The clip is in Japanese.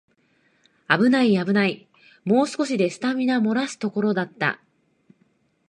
あぶないあぶない、もう少しでスタミナもらすところだった